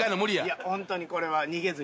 いや本当にこれは逃げずに。